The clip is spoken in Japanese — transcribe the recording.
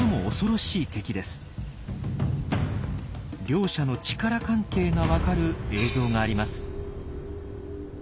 両者の力関係が分かる映像があります。